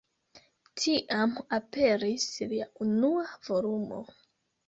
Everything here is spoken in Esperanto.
Tiam aperis lia unua volumo.